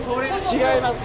違います。